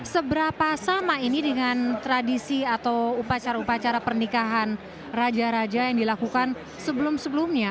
seberapa sama ini dengan tradisi atau upacara upacara pernikahan raja raja yang dilakukan sebelum sebelumnya